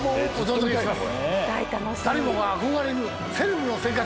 誰もが憧れるセレブの生活。